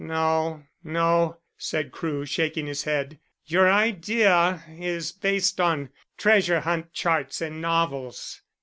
"No, no," said Crewe, shaking his head. "Your idea is based on treasure hunt charts in novels.